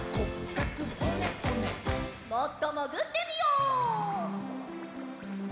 もっともぐってみよう。